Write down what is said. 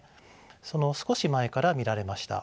その少し前から見られました。